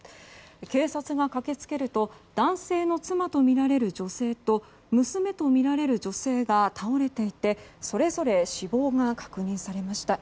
警察が駆け付けると男性の妻とみられる女性と娘とみられる女性が倒れていてそれぞれ死亡が確認されました。